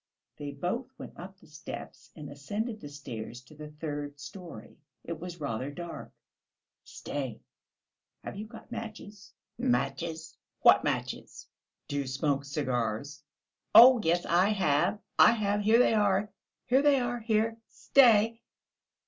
They both went up the steps and ascended the stairs to the third storey. It was rather dark. "Stay; have you got matches?" "Matches! What matches?" "Do you smoke cigars?" "Oh, yes, I have, I have; here they are, here they are; here, stay...."